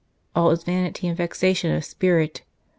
All is vanity and vexation of spirit.